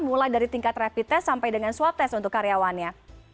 mulai dari tingkat rapid test sampai dengan swab test untuk karyawannya